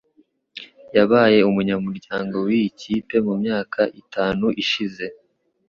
Yabaye umunyamuryango wiyi kipe mu myaka itanu ishize.